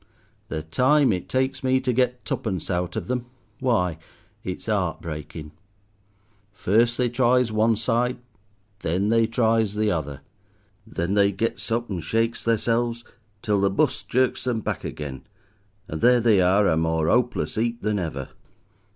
The time it takes me to get tuppence out of them, why, it's 'eart breaking. First they tries one side, then they tries the other. Then they gets up and shakes theirselves till the bus jerks them back again, and there they are, a more 'opeless 'eap than ever.